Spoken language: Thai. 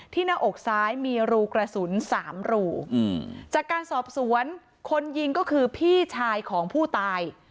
หน้าอกซ้ายมีรูกระสุนสามรูจากการสอบสวนคนยิงก็คือพี่ชายของผู้ตาย